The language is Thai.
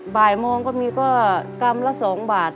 บ่ายโมงก็มีก็กรัมละ๒บาท